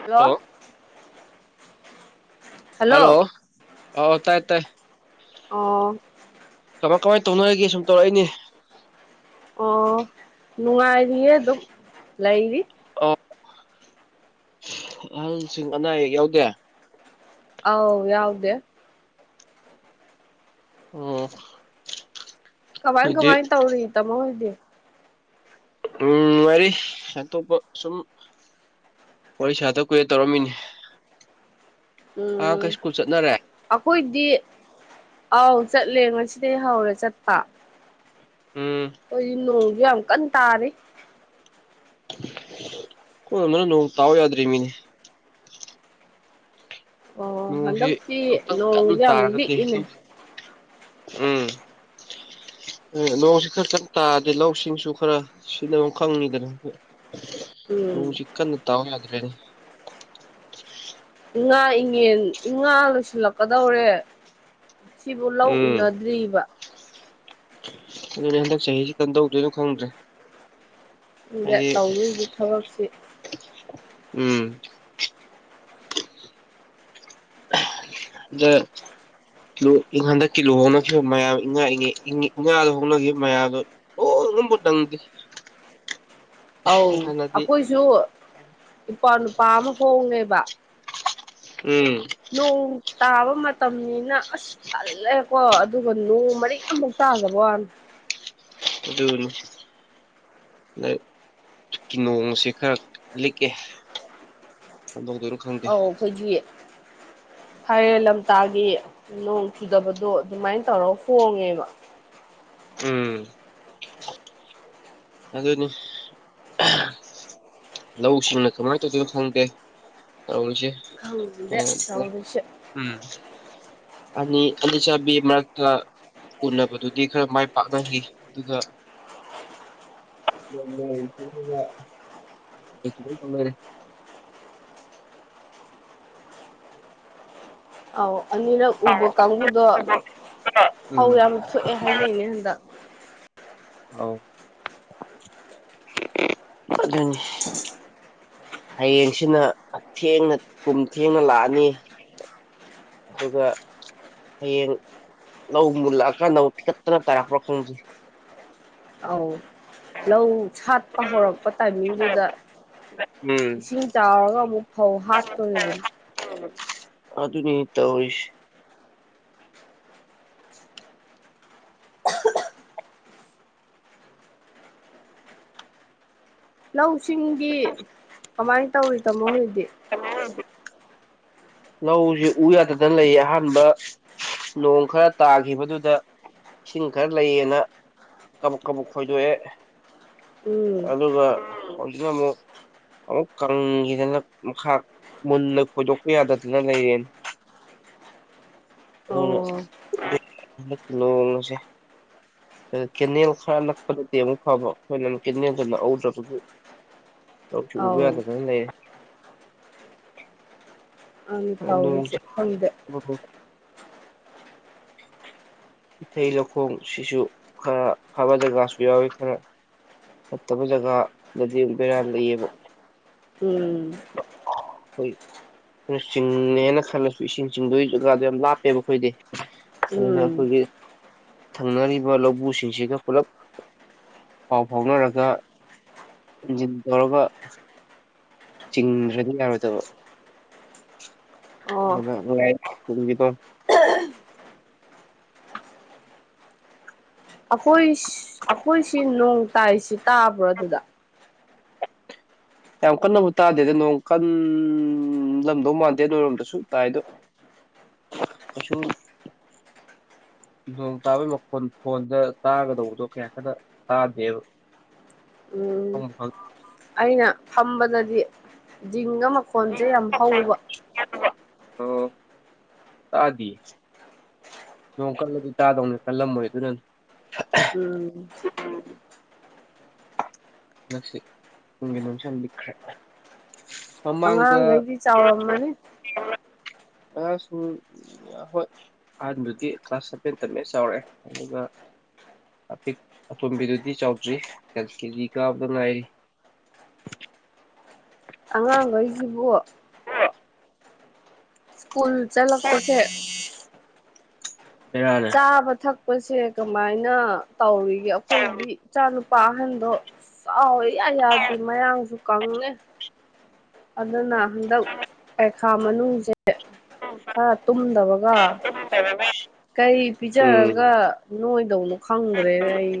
Hello ꯑꯣ hello ꯑꯣ ꯇꯥꯏ ꯇꯥꯏ ꯑꯣ ꯀꯃꯥꯏ ꯀꯃꯥꯏ ꯇꯧꯅꯉꯥꯏꯒꯤ ꯁꯨꯝ ꯇꯧꯔꯛꯏꯅꯦ ꯑꯣ ꯅꯨꯡꯉꯥꯏꯔꯤꯌꯦ ꯑꯗꯨꯝ ꯂꯩꯔꯤ ꯑ ꯑꯍꯜꯁꯤꯡ ꯑꯅꯥ ꯑꯌꯦꯛ ꯌꯥꯎꯗꯦ ꯑꯥꯎ ꯌꯥꯎꯗꯦ ꯑꯣ ꯀꯃꯥꯏ ꯀꯃꯥꯏꯅ ꯇꯧꯔꯤ ꯇꯥꯃꯣ ꯍꯣꯏꯗꯤ ꯎꯝ [unintelligible] ꯑꯇꯣꯞꯄ ꯁꯨꯝ ꯋꯥꯔꯤ ꯁꯥꯗ ꯀꯨꯏꯔꯦ ꯇꯧꯔꯛꯑꯝꯃꯤꯅꯤ ꯎꯝ ꯆꯠꯅꯔꯦ ꯑꯩꯈꯣꯏꯗꯤ ꯑꯥꯎ ꯆꯠꯂꯦ ꯉꯁꯤꯗꯗꯩ ꯍꯧꯔꯦ ꯆꯠꯄ ꯎꯝ ꯑꯩꯈꯣꯏꯗꯤ ꯅꯣꯡꯁꯨ ꯌꯥꯝ ꯀꯟꯅ ꯇꯥꯔꯤ ꯈꯣꯏ ꯔꯣꯝꯗꯅ ꯅꯣꯡ ꯇꯥꯎꯋ ꯌꯥꯗ꯭ꯔꯤ ꯃꯤꯅꯤ ꯑꯣ ꯅꯣꯡꯁꯤ ꯍꯟꯗꯛꯇꯤ ꯑꯃꯨꯛꯇꯪ ꯀꯟꯅ ꯅꯣꯡꯁꯦ ꯌꯥꯝ ꯇꯥꯔꯒꯗꯤ ꯂꯤꯛꯏꯅꯦ ꯎꯝ ꯅꯣꯡꯁꯤ ꯈꯔ ꯀꯟꯅ ꯇꯥꯔꯗꯤ ꯂꯧꯁꯤꯡꯁꯨ ꯈꯔ ꯁꯤꯖꯤꯟꯅꯐꯝ ꯈꯪꯉꯤꯗꯅ ꯎꯝ ꯅꯣꯡꯁꯤ ꯀꯟꯅ ꯇꯥꯎ ꯌꯥꯗꯔ꯭ꯦꯅꯦ ꯏꯉꯥ ꯏꯉꯦꯟ ꯏꯉꯥ ꯂꯣꯏꯁꯤꯜꯂꯛꯀꯗꯧꯔꯦ ꯁꯤꯕꯨ ꯂꯧ ꯎꯝ ꯎꯅꯗ꯭ꯔꯤꯕ ꯑꯗꯨꯅꯦ ꯍꯟꯗꯛ ꯆꯍꯤꯁꯦ ꯀꯝꯗꯧꯗꯣꯏꯅꯣ ꯈꯪꯗ꯭ꯔꯦ ꯑꯗ ꯍꯥꯏꯗꯤ ꯇꯧꯗꯣꯏꯁꯦ ꯊꯕꯛꯁꯤ ꯎꯝ [unintelligible] ꯅꯣꯡ ꯍꯟꯗꯛꯀꯤ ꯂꯨꯍꯣꯡꯅꯈꯤꯕ ꯃꯌꯥꯝ ꯏꯪꯉꯥ ꯏꯉꯦ ꯏꯉꯥꯗ ꯍꯣꯡꯅꯈꯤꯕ ꯃꯌꯥꯝꯗꯣ [unintelligible] ꯇꯝꯗꯤ ꯑꯧ ꯑꯩꯈꯣꯏꯁꯨ ꯏꯄꯋꯥ ꯅꯨꯄꯥ ꯑꯃ ꯍꯣꯡꯉꯦꯕ ꯎꯝ ꯅꯣꯡ ꯇꯥꯕ ꯃꯇꯝꯅꯤꯅ ꯑꯁ ꯇꯜꯂꯦꯀꯣ ꯑꯗꯨꯒ ꯅꯣꯡ ꯃꯔꯤꯛ ꯑꯝꯐꯧ ꯇꯥꯗꯕꯥ ꯋꯥꯅꯦ ꯑꯗꯨꯅꯤ ꯅꯣꯡꯁꯦ ꯈꯔ ꯂꯤꯛꯑꯦ [unintelligible] ꯑꯧ ꯑꯩꯈꯣꯏꯒꯤ ꯐꯥꯏꯔꯦꯟ ꯂꯝꯇꯥꯒꯤ ꯅꯣꯡ ꯆꯨꯗꯕꯗꯣ ꯑꯗꯨꯃꯥꯏꯅ ꯇꯧꯔꯒ ꯍꯣꯡꯉꯦꯕ ꯎꯝ ꯑꯗꯨꯅꯤ ꯂꯧ ꯁꯤꯡꯅ ꯀꯃꯥꯏꯅ ꯇꯧꯗꯣꯏꯅ ꯈꯪꯗꯦ ꯇꯔꯤꯁꯦ ꯈꯪꯗꯦ ꯇꯧꯔꯤꯁꯦ [unintelligible] ꯎꯝ ꯑꯅꯤ ꯑꯅꯤꯆꯥꯕꯤ ꯃꯔꯥꯛꯇ ꯎꯅꯕꯗꯨꯗꯤ ꯈꯔ ꯃꯥꯏ ꯄꯥꯛꯅꯈꯤ ꯑꯗꯨꯒ ꯌꯦ [unintelligible] [unintelligible] ꯂꯣꯢꯔꯦ ꯑꯧ ꯑꯅꯤꯔꯛ ꯎꯕ ꯀꯥꯡꯕꯨꯗꯣ ꯐꯧ ꯎꯝ ꯌꯥꯝ ꯊꯣꯛꯑꯦ ꯍꯥꯏꯅꯩꯌꯦ ꯍꯟꯗꯛ ꯑꯗꯨꯅꯤ ꯍꯌꯦꯡꯁꯤꯅ ꯍꯛꯊꯦꯡꯅ ꯀꯨꯝ ꯊꯦꯡꯅ ꯂꯥꯛꯑꯅꯤ ꯑꯗꯨꯒ ꯍꯌꯦꯡ ꯂꯧ ꯃꯨꯜꯂꯛꯑꯀꯥꯟꯗ ꯇꯤꯡꯈꯠꯇꯅ ꯇꯥꯔꯛꯄ꯭ꯔꯥ ꯈꯪꯗꯦ ꯑꯥꯎ ꯂꯧ ꯁꯥꯠꯄ ꯍꯧꯔꯛꯄ ꯇꯥꯏꯃꯤꯡꯗꯨꯗ ꯎꯝ ꯏꯁꯤꯡ ꯆꯥꯎꯔꯒ ꯑꯃꯨꯛ ꯐꯧ ꯍꯥꯠꯇꯣꯔꯤꯕꯅꯤ ꯑꯗꯨꯅꯤ ꯇꯧꯔꯤꯁꯤ ꯂꯧꯁꯤꯡꯗꯤ ꯀꯃꯥꯏꯅ ꯇꯧꯔꯤ ꯇꯥꯃꯣ ꯍꯧꯖꯤꯛ ꯇꯥꯃꯣ ꯍꯧꯖꯤꯛ ꯂꯧꯁꯤ ꯎ ꯌꯥꯗꯗꯅ ꯂꯩꯌꯦ ꯑꯍꯥꯟꯕ ꯅꯣꯡ ꯈꯔ ꯇꯥꯈꯤꯕꯗꯨꯗ ꯏꯁꯤꯡ ꯈꯔ ꯂꯩꯌꯦꯅ ꯀꯕꯥꯛ ꯀꯕꯥꯛ ꯈꯣꯏꯗꯣꯛꯑꯦ ꯎꯝ ꯑꯗꯨꯒ ꯍꯧꯖꯤꯛꯅ ꯑꯃꯨꯛ ꯑꯃꯨꯛ ꯀꯪꯈꯤꯗꯅ ꯃꯈꯥ ꯃꯨꯟꯅ ꯈꯣꯏꯗꯣꯛꯄ ꯌꯥꯗ ꯗꯅ ꯂꯩꯔꯦꯅꯦ ꯑꯣ ꯑꯗꯨꯅ ꯅꯣꯡꯁꯦ ꯀꯦꯅꯦꯜ ꯈꯔ ꯅꯛꯄꯗꯗꯤ ꯑꯃꯨꯛ ꯐꯕ ꯑꯩꯈꯣꯏꯅ ꯀꯦꯅꯦꯜꯗꯨ ꯅꯥꯛꯍꯧꯗ꯭ꯔꯕꯒꯤ ꯂꯧꯁꯨ ꯎꯕ ꯑꯧ ꯌꯥꯗꯗꯅ ꯂꯩꯔꯦ ꯑꯗꯨꯅꯤ ꯑꯥ ꯇꯧꯔꯤꯁꯦ ꯅꯣꯡꯁꯦ ꯈꯪꯗꯦ [unintelligible] ꯏꯊꯩ ꯂꯧꯈꯣꯡ ꯁꯤꯁꯨ ꯈꯔ ꯐꯕ ꯖꯒꯥꯁꯨ ꯌꯥꯎꯋꯤ ꯈꯔ ꯐꯠꯇꯕ ꯖꯒꯥꯗꯗꯤ ꯕꯦꯔꯥ ꯂꯩꯑꯦꯕ ꯎꯝ ꯍꯣꯏ ꯆꯤꯡꯉꯦꯅ ꯈꯜꯂꯁꯨ ꯏꯁꯤꯡ ꯆꯤꯡꯗꯣꯏ ꯖꯒꯥꯗꯣ ꯌꯥꯝ ꯂꯥꯞꯄꯦꯕ ꯑꯩꯈꯣꯏꯗꯤ ꯑꯗꯨꯅ ꯎꯝ ꯑꯩꯈꯣꯏꯒꯤ ꯊꯪꯅꯔꯤꯕ ꯂꯧꯕꯨ ꯁꯤꯡꯁꯤꯒ ꯄꯨꯂꯞ ꯄꯥꯎ ꯐꯥꯎꯅꯔꯒ ꯏꯟꯖꯤꯟ ꯇꯧꯔꯒ ꯆꯤꯡ ꯂꯩꯃꯤꯟꯅꯕꯗꯣ ꯑꯣ [unintelligible] [unintelligible] ꯑꯩꯈꯣꯏ ꯑꯩꯈꯣꯏꯁꯤ ꯅꯣꯡ ꯇꯥꯏꯁꯤ ꯇꯥꯕ꯭ꯔꯣ ꯑꯗꯨꯗ ꯌꯥꯝ ꯀꯟꯅꯕꯨ ꯇꯥꯗꯦꯗ ꯅꯣꯡ ꯀꯟꯂꯝꯗꯧ ꯃꯥꯟꯗꯦ ꯅꯣꯏꯔꯣꯝꯗꯁꯨ ꯇꯥꯏꯗꯨ ꯑꯁꯨꯨꯝ ꯅꯣꯡ ꯇꯥꯕꯩ ꯃꯈꯣꯟ ꯐꯣꯟꯗ ꯇꯥꯒꯗꯧꯕꯗꯣ ꯀꯌꯥ ꯀꯟꯅ ꯇꯥꯗꯦꯕ ꯎꯝ ꯈꯪꯕꯨ ꯈꯪ ꯑꯩꯅ ꯐꯝꯕꯗꯗꯤ ꯖꯤꯡꯒ ꯃꯈꯣꯟꯁꯦ ꯌꯥꯝ ꯍꯧꯕ [unintelligible] ꯑꯣ ꯇꯥꯗꯤꯌꯦ ꯅꯣꯡ ꯀꯜꯂꯗꯤ ꯇꯥꯗꯧꯅꯤ ꯀꯜꯂꯝꯃꯣꯏ ꯑꯗꯨꯅꯅꯦ ꯎꯝ ꯍꯟꯗꯥꯛꯁꯤ ꯀꯨꯝꯒꯤ ꯅꯣꯡꯁꯤ ꯌꯥꯝ ꯂꯤꯛꯈ꯭ꯔꯦ ꯃꯃꯥꯡꯗ ꯑꯉꯥꯡꯈꯩꯗꯤ ꯆꯥꯎꯔꯝꯃꯅꯤ [unintelligible] ꯑꯉꯥꯡꯁꯤꯡ ꯍꯣꯏ ꯑꯍꯥꯟꯗꯨꯗꯤ ꯀ꯭ꯂꯥꯁ ꯁꯚꯦꯟ ꯇꯝꯃꯦ ꯆꯥꯎꯔꯑꯦ ꯑꯗꯨꯒ ꯑꯄꯤꯛ ꯑꯇꯣꯝꯕꯤꯗꯨꯗꯤ ꯆꯥꯎꯗ꯭ꯔꯤ ꯀꯦꯖꯤ ꯀꯥꯕꯗ ꯉꯥꯏꯔꯤ ꯑꯉꯥꯡꯈꯩꯖꯤꯕꯨ ꯁ꯭ꯀꯨꯜ ꯆꯠꯂꯛꯄꯁꯦ ꯕꯦꯔꯥꯅꯦ ꯆꯥꯕ ꯊꯛꯄꯁꯦ ꯀꯃꯥꯏꯅ ꯇꯧꯔꯤꯒꯦ ꯑꯩꯈꯣꯏꯗꯤ ꯏꯆꯥꯅꯨ ꯅꯨꯄꯥ ꯑꯍꯟꯗꯣ ꯆꯥꯎ ꯏꯌꯥ ꯌꯥꯗꯦ ꯃꯌꯥꯡꯁꯨ ꯀꯪꯉꯦ ꯑꯗꯨꯅ ꯍꯟꯗꯛ ꯄꯩꯈꯥ ꯃꯅꯨꯡꯁꯦ ꯈꯔ ꯇꯨꯝꯗꯕꯒ [unintelligible] ꯀꯩ ꯎꯝ ꯄꯤꯖꯔꯒ ꯅꯣꯏꯗꯧꯅꯣ ꯈꯪꯗ꯭ꯔꯦꯗ ꯑꯩ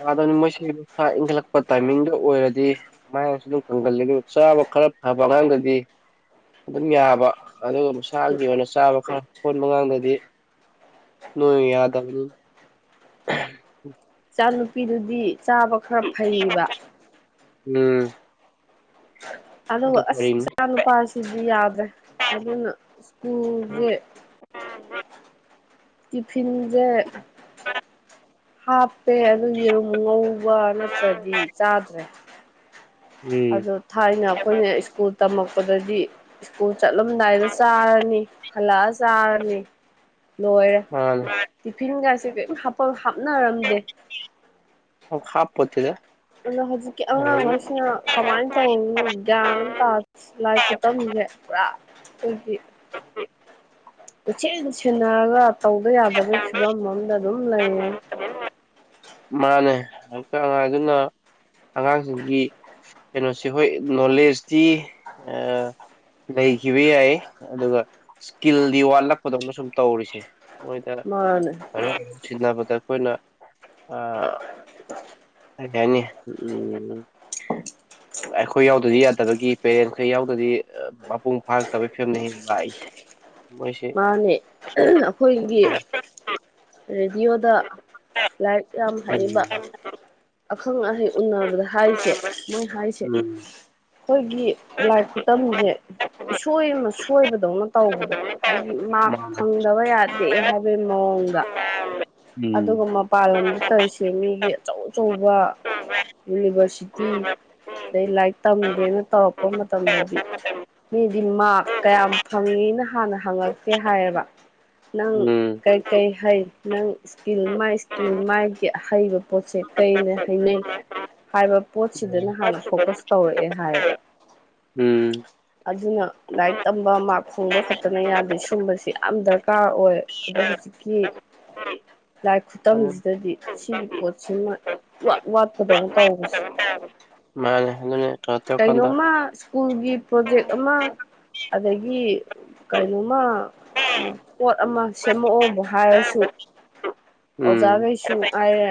ꯌꯥꯗꯕꯅꯤ ꯃꯣꯏꯁꯤ ꯃꯁꯥ ꯏꯟꯈꯠꯂꯛꯄ ꯇꯥꯏꯃꯤꯡꯗꯨ ꯑꯣꯏꯔꯗꯤ ꯃꯌꯥꯡꯁꯨ ꯗꯨꯝ ꯀꯪꯒꯜꯂꯤ ꯑꯗꯨ ꯆꯥꯕ ꯈꯔ ꯐꯕ ꯑꯉꯥꯡꯗꯗꯤ ꯑꯗꯨꯝ ꯌꯥꯕ ꯑꯗꯨꯒ ꯃꯁꯥꯒꯤ ꯑꯣꯏꯅ ꯆꯥꯕ ꯈꯔ ꯁꯣꯟꯕ ꯑꯉꯥꯡꯗꯗꯤ ꯅꯣꯏꯌꯨ ꯌꯥꯗꯕꯅꯤꯟ ꯏꯆꯥ ꯅꯨꯨꯄꯤꯗꯨꯗꯤ ꯆꯥꯕ ꯈꯔ ꯐꯩꯕ ꯎꯝ ꯑꯗꯨꯒ ꯑꯗꯨ ꯑꯁ ꯐꯔꯤꯅꯤ ꯏꯆꯥ ꯅꯨꯨꯄꯥꯁꯤꯗꯤ ꯌꯥꯗ꯭ꯔꯦ ꯑꯗꯨꯅ ꯁ꯭ꯀꯨꯜꯖ‌ꯦ ꯇꯤꯐꯤꯟꯖ‌ꯦ ꯍꯥꯞꯄꯦ ꯑꯗꯨ ꯌꯦꯔꯨꯝ ꯉꯧꯕ ꯅꯠꯇ꯭ꯔꯗꯤ ꯆꯥꯗ꯭ꯔꯦ ꯎꯝ ꯑꯗꯣ ꯊꯥꯏꯅ ꯑꯈꯣꯏꯅ ꯁ꯭ꯀꯨꯜ ꯇꯝꯃꯛꯄꯗꯗꯤ ꯁ꯭ꯀꯨꯜ ꯆꯠꯂꯝꯗꯥꯏꯗ ꯆꯥꯔꯅꯤ ꯍꯜꯂꯛꯑ ꯆꯥꯔꯅꯤ ꯂꯣꯏꯔꯦ ꯃꯥꯅꯦ ꯇꯤꯐꯤꯟꯒꯥꯁꯦ ꯀꯩꯝ ꯍꯥꯞꯄ ꯍꯥꯞꯅꯔꯝꯗꯦ ꯑꯣ ꯍꯥꯞꯄꯣꯠꯇꯦꯗ ꯑꯗꯣ ꯍꯧꯖꯤꯛꯀꯤ ꯑꯉꯥꯡꯉꯩꯁꯤꯅ ꯀꯃꯥꯏꯟ ꯇꯧꯏꯅ‌ꯣ ꯒ꯭ꯌꯥꯟ ꯑꯝ ꯇꯥ [unintelligible] ꯂꯥꯏꯔꯤꯛ ꯈꯨꯇꯝ [unintelligible] ꯄꯨꯔꯥ ꯈꯣꯏꯒꯤ ꯀꯣꯏꯁꯦꯟ ꯁꯦꯟꯅꯔꯒ ꯇꯧꯗ ꯌꯥꯗꯕꯩ ꯐꯤꯕꯝ ꯑꯝꯗ ꯑꯗꯨꯝ ꯂꯩꯌꯦ [inaudible] ꯃꯥꯅꯦ [inaudible] ꯑꯉꯥꯡꯗꯨꯅ ꯑꯉꯥꯡꯁꯤꯡꯒꯤ ꯀꯩꯅꯣꯁ‌ꯦ ꯍꯣꯏ ꯅꯣꯂꯦꯖꯇꯤ ꯑꯥ ꯂꯩꯈꯤꯕ ꯌꯥꯏ ꯑꯗꯨꯒ ꯏꯁꯀꯤꯜꯗꯤ ꯋꯥꯠꯂꯛꯄꯗꯧꯅ ꯁꯨꯝ ꯇꯧꯔꯤꯁꯦ ꯃꯣꯏꯗ ꯃꯥꯅꯦ [unintelligible] ꯊꯤꯟꯅꯕꯗ ꯑꯈꯣꯏꯅ ꯑꯥ [unintelligible] ꯅꯤ ꯎꯝ [inaudible] ꯑꯩꯈꯣꯏ ꯌꯥꯎꯗꯗꯤ ꯌꯥꯗꯕꯒꯤ ꯄꯦꯔꯦꯟꯁ ꯈꯔ ꯌꯥꯎꯗꯗꯤ ꯑ ꯃꯄꯨꯡ ꯐꯥꯔꯛꯇꯕꯩ ꯐꯤꯕꯝꯅ‌ꯦ ꯍꯦꯟꯅ ꯂꯥꯛꯏꯁ [unintelligible] ꯃꯥꯅꯦ ꯑꯈꯣꯏꯒꯤ ꯔꯦꯗꯤꯌꯣꯗ ꯂꯥꯏꯔꯤꯛ ꯌꯥꯝ ꯍꯩꯕ ꯎꯝ ꯎꯝ ꯑꯈꯪ ꯑꯍꯩ ꯎꯟꯅꯕꯗ ꯍꯥꯏꯔꯤꯁꯦ ꯃꯣꯏꯟ ꯍꯥꯏꯁꯦ ꯈꯣꯏꯒꯤ ꯂꯥꯏꯛ ꯈꯨꯇꯝꯁꯦ ꯏꯁꯣꯏ ꯑꯃ ꯁꯣꯏꯕꯗꯧꯅ ꯇꯧꯕꯗꯣ ꯍꯥꯏꯗꯤ ꯃꯥꯛ ꯃꯥꯅꯦ ꯐꯪꯗꯕ ꯌꯥꯗꯦ ꯍꯥꯏꯕꯩ ꯃꯑꯣꯡꯗ ꯑꯗꯨꯒ ꯃꯄꯥꯟ ꯂꯝꯗ ꯇꯧꯏꯁꯦ ꯃꯤꯒꯤ ꯑꯆꯧ ꯑꯆꯧꯕ ꯎꯝ ꯌꯨꯅꯤꯚꯔꯁꯤꯇꯤ ꯎꯝ ꯑꯗꯩ ꯂꯥꯏꯔꯤꯛ ꯇꯝꯒꯦꯅ ꯇꯧꯔꯛꯄ ꯃꯇꯝꯗꯗꯤ ꯃꯤꯗꯤ ꯃꯥꯛ ꯎꯝ ꯀꯌꯥꯝ ꯐꯪꯏꯅ ꯍꯥꯟꯅ ꯍꯪꯉꯛꯇꯦ ꯍꯥꯏꯌ‌ꯦꯕꯥ ꯅꯪ ꯎꯝ ꯀꯩ ꯀꯩ ꯍꯩ ꯅꯪ ꯏꯁꯀꯤꯜ ꯃꯥꯏ ꯏꯁꯀꯤꯜ ꯃꯥꯒꯤ ꯑꯍꯩꯕ ꯄꯣꯠꯁꯦ ꯀꯩꯅ ꯍꯩꯅꯩ ꯍꯥꯏꯕ ꯄꯣꯠꯁꯤꯗꯅ ꯍꯥꯟꯅ ꯐꯣꯀꯁ ꯇꯧꯔ‌ꯦꯑꯦ ꯍꯥꯏꯌꯦꯕ ꯎꯝ ꯑꯗꯨꯅ ꯂꯥꯏꯔꯤꯛ ꯇꯝꯕ ꯃꯥꯥꯛ ꯐꯪꯕ ꯈꯛꯇꯅ ꯌꯥꯗꯦ ꯁꯨꯝꯕꯁꯤ ꯌꯥꯝ ꯗꯔꯀꯥꯔ ꯑꯣꯏ ꯑꯗꯣ ꯍꯧꯖꯤꯛꯀꯤ ꯂꯥꯏꯔꯤꯛ ꯑꯗꯨ ꯈꯨꯇꯝꯁꯤꯗꯗꯤ ꯁꯤꯒꯤ ꯄꯣꯠꯁꯤꯃ ꯏꯋꯥꯠ ꯋꯥꯠꯄꯗꯧꯅ ꯇꯧꯕꯁꯦ ꯃꯥꯅꯦ ꯑꯗꯨꯅꯦ ꯀꯩꯅꯣ ꯇꯧꯔꯀꯥꯟꯗ ꯀꯩꯅꯣꯝꯃ ꯁ꯭ꯀꯨꯜꯒꯤ ꯄ꯭ꯔꯣꯖꯦꯛ ꯑꯃ ꯑꯗꯒꯤ ꯀꯩꯅꯣꯝꯃ ꯄꯣꯠ ꯑꯃ ꯁꯦꯝꯃꯛꯑꯣꯕꯨ ꯍꯥꯏꯔꯁꯨ ꯎꯝ ꯑꯣꯖꯥꯈꯩꯁꯨ ꯉꯥꯏꯔꯦ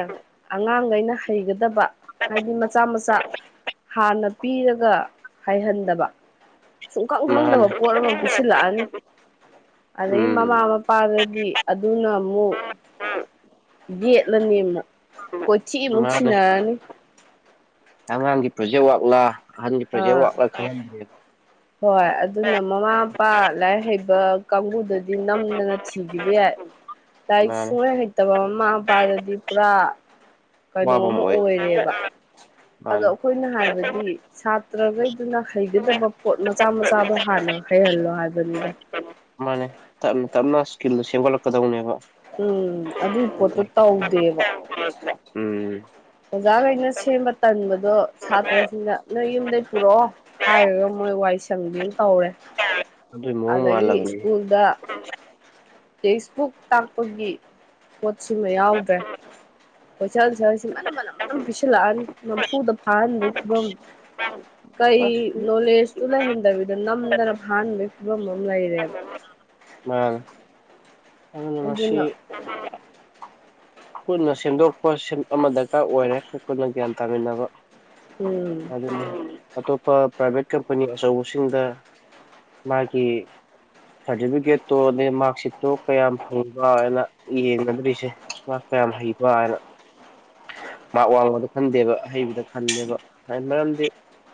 ꯑꯉꯥꯡꯈꯩꯅ ꯍꯩꯒꯗꯕ ꯍꯥꯏꯗꯤ ꯃꯆꯥ ꯃꯆꯥ ꯍꯥꯟꯅ ꯄꯤꯔꯒ ꯍꯩꯍꯟꯗꯕ ꯁꯨꯡꯈꯪ ꯃꯥꯅꯦ ꯈꯪꯗꯕ ꯄꯣꯠ ꯑꯃ ꯄꯤꯁꯤꯜꯂꯛꯑꯅꯤ ꯑꯗꯩꯩ ꯎꯝ ꯃꯃꯥ ꯃꯄꯥꯗꯗꯤ ꯑꯗꯨꯅ ꯑꯃꯨꯛ ꯌꯦꯠꯂꯅꯤ ꯑꯃꯨꯛ ꯀꯣꯏꯊꯤ ꯑꯃꯨꯛ ꯃꯥꯅꯦ ꯊꯤꯅꯔꯅꯤ ꯑꯉꯥꯡꯒꯤ ꯄ꯭ꯔꯣꯖꯦꯛ ꯋꯥꯛꯂ ꯑꯍꯟꯒꯤ ꯄ꯭ꯔꯣꯖꯦꯛ ꯑꯥ ꯋꯥꯛꯂ ꯈꯪꯗꯦ ꯍꯣꯏ ꯑꯗꯨꯅ ꯃꯃꯥ ꯃꯄꯥ ꯂꯥꯏꯔꯤꯛ ꯍꯩꯕ ꯀꯥꯡꯕꯨꯗꯗꯤ ꯅꯝꯗꯅ ꯊꯤꯈꯤꯕ ꯌꯥꯏ ꯂꯥꯏꯔꯤꯛ ꯃꯥꯅꯦ ꯁꯨꯡꯍꯩ ꯍꯩꯇꯕ ꯃꯃꯥ ꯃꯄꯥꯗꯗꯤ ꯄꯨꯔꯥ ꯀꯩꯅꯣ ꯋꯥꯕ ꯑꯃ ꯑꯣꯏ ꯑꯣꯏꯔꯦꯕ ꯑꯗꯣ ꯃꯥꯅꯦ ꯑꯩꯈꯣꯏꯅ ꯍꯥꯏꯕꯗꯤ ꯁꯥꯇ꯭ꯔꯒꯩꯗꯨꯅ ꯍꯩꯒꯗꯕ ꯄꯣꯠ ꯃꯆꯥ ꯃꯆꯥꯗꯣ ꯍꯥꯟꯅ ꯍꯩꯍꯜꯂꯣ ꯍꯥꯏꯕꯅꯤꯗ ꯃꯥꯅꯦ ꯇꯞꯅ ꯇꯞꯅ ꯁ꯭ꯀꯤꯜꯗꯣ ꯁꯦꯝꯒꯠꯂꯛꯀꯗꯧꯅꯦꯕ ꯎꯝ ꯑꯗꯨꯏ ꯄꯣꯠꯇꯣ ꯇꯧꯗꯦꯕ [inaudible] ꯎꯝ ꯑꯣꯖꯥꯒꯩꯅ ꯁꯦꯝꯕ ꯇꯟꯕꯗꯣ ꯁꯥꯇ꯭ꯔꯁꯤꯡꯅ ꯅꯣꯏ ꯌꯨꯝꯗꯩꯩ ꯄꯨꯔꯛꯑꯣ ꯍꯥꯏꯔꯒ ꯃꯣꯏ ꯋꯥꯏ ꯁꯪꯕꯤ ꯑꯃ ꯇꯧꯔꯦ [inaudible] ꯑꯗꯨꯅꯦ ꯑꯗꯒꯤ ꯁ꯭ꯀꯨꯜꯗ ꯇꯦꯛꯁꯕꯨꯛ ꯇꯥꯛꯄꯒꯤ ꯄꯣꯠꯁꯤꯃ ꯌꯥꯎꯗ꯭ꯔꯦ ꯀꯣꯏꯁꯟ ꯑꯟꯁꯔꯁꯤ ꯃꯅꯝ ꯃꯅꯝ ꯃꯅꯝ ꯄꯤꯁꯤꯜꯂꯛꯑꯅꯤ ꯅꯝꯐꯨꯗ ꯐꯥꯍꯟꯕꯩ ꯐꯤꯚꯝ ꯀꯩ ꯃꯁꯤ ꯅꯣꯂꯦꯁꯇꯨ ꯂꯩꯍꯟꯗꯕꯤꯗ ꯅꯝꯗꯅ ꯐꯥꯍꯟꯕꯩ ꯐꯤꯚꯝ ꯑꯃ ꯂꯩꯔꯦꯕ ꯃꯥꯅꯦ ꯑꯗꯨꯅ ꯄꯨꯟꯅ ꯁꯦꯝꯗꯣꯛꯄ ꯁꯦꯝ ꯑꯃ ꯗꯔꯀꯥꯔ ꯑꯣꯏꯔꯦ ꯑꯩꯈꯣꯏ ꯄꯨꯟꯅ ꯒ꯭ꯌꯥꯟ ꯇꯥꯃꯤꯟꯅꯕ ꯎꯝ ꯎꯝ ꯑꯇꯣꯞꯄ ꯄ꯭ꯔꯥꯏꯚꯦꯠ ꯀꯝꯄꯅꯤ ꯑꯆꯧꯕꯁꯤꯡꯗ ꯃꯥꯒꯤ ꯁꯥꯔꯇꯤꯐꯤꯀꯦꯠꯇꯣꯅꯦ ꯃꯥꯛꯁꯤꯠꯇꯣ ꯀꯌꯥꯝ ꯐꯪꯕ ꯍꯥꯏꯅ ꯌꯦꯡꯒꯗꯨꯔꯤꯁꯦ ꯃꯥ ꯀꯌꯥꯝ ꯍꯩꯕ ꯍꯥꯏꯅ ꯃꯥꯛ ꯋꯥꯡꯕꯗ ꯈꯟꯗꯦꯕ ꯑꯍꯩꯕꯗ ꯈꯟꯂꯦꯕ [inaudible] ꯃꯔꯝꯗꯤ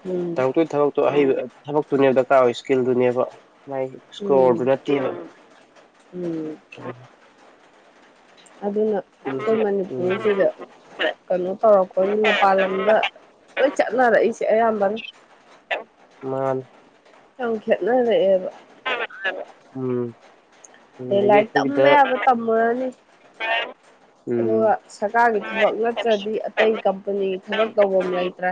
ꯎꯝ ꯇꯧꯔꯛꯇꯣꯏ ꯊꯕꯛꯇꯨ ꯑꯍꯩꯕ ꯊꯕꯛꯇꯨꯅꯦꯕ ꯗꯔꯀꯥꯔ ꯑꯣꯏ ꯁ꯭ꯀꯤꯜꯗꯨꯅꯦꯕ ꯃꯥꯒꯤ ꯎꯝ ꯁ꯭ꯀꯣꯔꯗꯣ ꯅꯠꯇꯦꯕ ꯎꯝ ꯑꯗꯨꯅ ꯑꯩꯈꯣꯏ ꯎꯝ ꯃꯅꯤꯄꯨꯔꯁꯤꯗ ꯀꯩꯅꯣ ꯇꯧꯔꯛꯄꯒꯤ ꯃꯄꯥꯜ ꯂꯝꯗ ꯂꯣꯏ ꯆꯠꯅꯔꯛꯏꯁꯦ ꯑꯌꯥꯝꯕꯅ ꯃꯥꯥꯅꯦ ꯌꯥꯝ ꯈꯦꯠꯅꯔꯛꯑꯦꯕ [unintelligible] ꯎꯝ ꯑꯗꯩꯩ ꯑꯗꯒꯤ ꯂꯥꯏꯔꯤꯛ ꯇꯝꯕ ꯑꯩꯈꯣꯏꯒꯤꯗ ꯌꯥꯕ ꯇꯝꯃꯨꯔꯅꯤ [unintelligible] ꯑꯗꯨꯒ ꯎꯝ ꯁꯔꯀꯥꯔꯒꯤ ꯊꯕꯛ ꯅꯠꯇ꯭ꯔꯗꯤ ꯑꯇꯩ ꯀꯝꯄꯅꯤꯒꯤ ꯊꯕꯛ ꯇꯧꯕꯝ ꯂꯩꯇ꯭ꯔꯦ꯫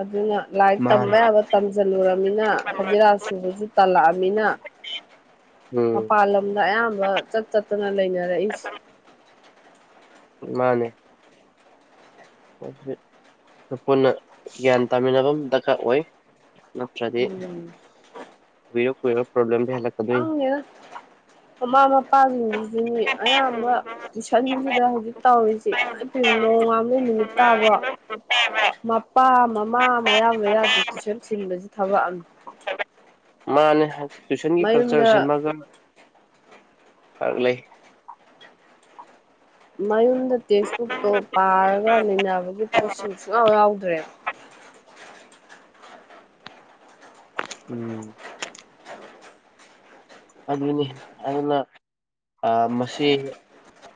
ꯑꯗꯨꯅ ꯂꯥꯏꯛ ꯇꯝꯕ ꯃꯥꯅꯤ ꯌꯥꯕ ꯇꯝꯁꯤꯜꯂꯨꯨꯔꯝꯅꯤꯅ ꯍꯖꯤꯔꯥ ꯁꯨꯕꯁꯨ ꯇꯜꯂꯛꯑꯝꯤꯅ [inaudible] ꯄꯥꯥꯜ ꯂꯝꯗ ꯑꯌꯥꯝꯕ ꯆꯠ ꯆꯠꯇꯅ ꯂꯩꯅꯔꯛꯏꯁꯤ꯫ ꯃꯥꯅꯦ꯫ ꯃꯁꯤ ꯈꯣꯏꯄꯨꯟꯅ ꯒ꯭ꯌꯥꯟ ꯇꯥꯃꯤꯟꯅꯕ ꯑꯝ ꯗꯔꯀꯥꯔ ꯑꯣꯏ꯫ ꯅꯠꯇ꯭ꯔꯗꯤ ꯎꯝ ꯀꯨꯏꯔ-ꯀꯨꯏꯔ ꯄ꯭ꯔꯣꯕ꯭ꯂꯦꯝ ꯍꯦꯜꯂꯛ ꯈꯪꯗꯦꯗ ꯃꯃꯥ ꯃꯄꯥꯁꯤꯡꯁꯤꯁꯨꯅꯤ ꯑꯌꯥꯝꯕ ꯇꯨꯏꯁꯟꯁꯤꯗ ꯍꯧꯖꯤꯛ ꯇꯧꯔꯤꯁꯤ ꯏꯃꯥꯏꯄꯦꯝꯃꯥ ꯅꯣꯡ ꯉꯥꯟꯗꯩꯩ ꯅꯨꯃꯤꯠ ꯇꯥꯕ ꯃꯞ ꯄꯥ ꯃꯃꯥ ꯃꯌꯥꯝ ꯂꯩꯔꯥꯗꯤ ꯇꯨꯏꯁꯟ ꯊꯤꯟꯕꯁꯤ ꯊꯕꯛ ꯑꯃꯅꯤ꯫ [unintelligible] ꯃꯥꯅꯤ [inaudible] ꯇꯨꯏꯁꯟꯒꯤ ꯀꯜꯆꯔ ꯃꯌꯨꯝꯗ ꯁꯤꯃꯒ ꯑꯔꯂꯩ꯫ ꯃꯌꯨꯝꯗ ꯇꯦꯛꯁꯕꯨꯛꯇꯣ ꯄꯥꯔꯒ ꯅꯩꯅꯕꯒꯤ ꯄ꯭ꯔꯣꯁꯦꯖ ꯁꯨꯡꯌꯥꯎ ꯌꯥꯎꯗ꯭ꯔꯦꯕ꯫ ꯎꯝ ꯑꯗꯨꯅꯤ ꯑꯩꯅ ꯑ ꯃꯁꯤ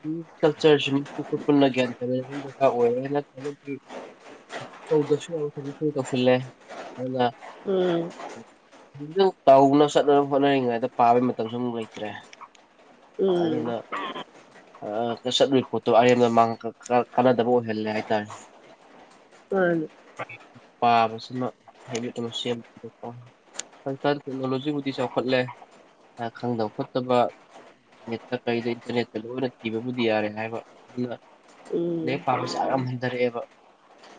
[inaudible] ꯀꯜꯆꯔꯁꯤ ꯃꯨꯊꯠꯄ ꯄꯨꯟꯅ ꯒ꯭ꯌꯥꯟ ꯇꯥꯃꯤꯟꯅꯕ ꯗꯔꯀꯥꯔ ꯑꯣꯏꯔꯦ ꯅꯠꯇ꯭ꯔꯒꯗꯤ [unintelligible] ꯇꯧꯁꯤꯜꯂꯦ ꯑꯗꯨꯅ ꯎꯝ [unintelligible] ꯀꯧꯅꯕ ꯆꯠꯅꯕ ꯍꯣꯠꯅꯔꯤꯉꯩꯗ ꯄꯥꯕꯩ ꯃꯇꯝꯁꯨ ꯑꯃꯨꯛ ꯂꯩꯇ꯭ꯔꯦ꯫ ꯑꯗꯨꯅ ꯎꯝ [unintelligible] ꯑꯗꯥ ꯆꯠꯂꯨꯏ ꯄꯣꯠꯇꯣ ꯑꯔꯦꯝꯕꯗ ꯃꯥꯡꯍꯟ ꯀꯥ ꯀꯥꯟꯅꯗꯕ ꯑꯣꯏꯍꯜꯂꯦ ꯍꯥꯏꯇꯥꯔꯦ꯫ ꯃꯥꯅꯤ꯫ [unintelligible] ꯄꯥꯕꯁꯤꯃ ꯍꯦꯕꯤꯠ ꯑꯃ ꯁꯦꯝꯕꯗꯨꯀꯣ꯫ ꯁꯔꯀꯥꯔ ꯇꯦꯛꯅꫭꯂꫭꯖꯤꯕꯨꯗꯤ ꯆꯥꯎꯈꯠꯂꯦ꯫ ꯈꯔ ꯈꯪꯗꯕ ꯈꯣꯠꯇꯕ ꯅꯦꯠꯇ ꯀꯩꯗ ꯏꯟꯇꯔꯅꯦꯠꯇ ꯂꯣꯏꯅ ꯊꯤꯕꯕꯨꯗꯤ ꯌꯥꯔꯦ ꯍꯥꯏꯕ ꯑꯗꯨꯅ ꯎꯝ ꯂꯥꯏꯔꯤꯛ ꯄꯥꯕ ꯆꯥꯡ ꯌꯥꯝ ꯍꯟꯊꯔꯛꯑꯦꯕ꯫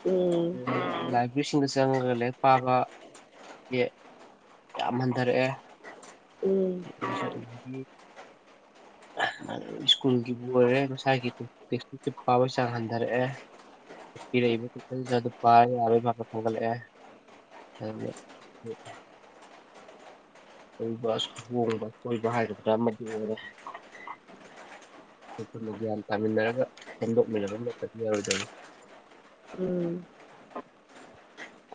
ꯎꯝ ꯎꯝ ꯂꯥꯏꯕ꯭ꯔꯤꯁꯤꯡꯗ ꯆꯪꯑꯒ ꯂꯥꯏꯔꯤꯛ ꯄꯥꯕ꯫ ꯌꯦ ꯌꯥꯝ ꯍꯟꯙꯔꯛꯑꯦ꯫ ꯎꯝ [inaudible] [unintelligible] ꯁ꯭ꯀꯨꯜꯒꯤꯕꯨ ꯑꯣꯏꯔꯦ ꯃꯁꯥꯒꯤ ꯇꯦꯛꯁꯛꯁꯦ ꯄꯥꯕꯒꯤ ꯆꯥꯡ ꯍꯟꯊꯔꯛꯑꯦ꯫ ꯄꯤꯔꯛꯏꯕ [inaudible] ꯄꯥꯏ ꯌꯥꯔꯣꯏ ꯐꯕ ꯊꯥꯡꯒꯠꯂꯛꯑꯦ꯫ [inaudible] ꯇꯧꯕ ꯆꯣꯡꯕ ꯑꯁꫭꯏꯕ ꯍꯥꯏꯒꯗ꯭ꯔꯥ ꯑꯃꯗꯤ ꯑꯣꯏꯔꯦ꯫ ꯑꯩꯈꯣꯏ ꯄꯨꯟꯅ ꯒ꯭ꯌꯥꯟ ꯇꯥꯃꯤꯟꯅꯔꯒ ꯁꯦꯝꯗꯣꯛꯃꯤꯟꯅꯕ ꯑꯃꯅꯠꯇꯗꯤ ꯌꯥꯔꯣꯏꯗꯣꯏꯔꯤ꯫ ꯎꯝ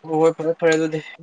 ꯍꯣꯏ ꯍꫭꯏ ꯐꯔꯦ ꯐꯔꯦ ꯑꯗꯨꯗꯤ꯫